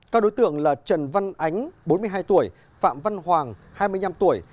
các đối tượng là trần văn ánh bốn mươi hai tuổi phạm văn hoàng hai mươi năm tuổi